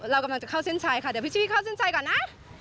เรากำลังจะเข้าเส้นชัยค่ะเดี๋ยวพี่ชี่เข้าเส้นชัยก่อนนะ